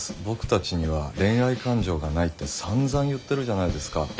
僕たちには恋愛感情がないってさんざん言ってるじゃないですか。